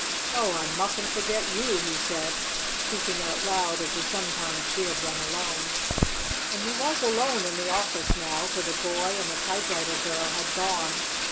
"Oh, I mustn't forget you!" he said, speaking out loud as he sometimes did when alone. And he was alone in the office now, for the boy and the typewriter girl had gone.